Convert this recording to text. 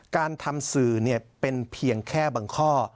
การทำสื่อเป็นเพียงแค่บางข้อ